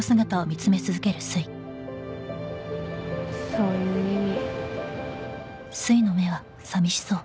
そういう意味